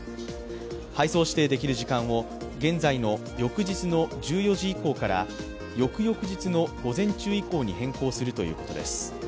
配送指定できる時間を現在の翌日の１４時以降から翌々日の午前中以降に変更するということです。